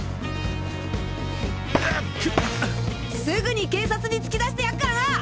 すぐに警察に突き出してやっからな！